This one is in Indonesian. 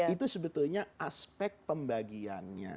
itu sebetulnya aspek pembagiannya